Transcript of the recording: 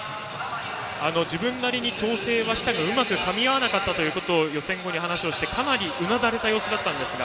自分なりに調整はしたがうまくかみ合わなかったと予選後に話していてかなりうなだれた様子でしたが。